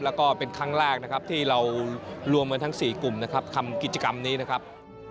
แล้วก็เป็นครั้งแรกนะครับที่เรารวมกันทั้ง๔กลุ่มนะครับทำกิจกรรมนี้นะครับ